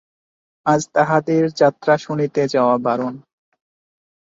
আজ তাহাদের যাত্রা শুনিতে যাওয়া বারণ।